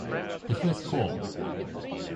The first Cor!!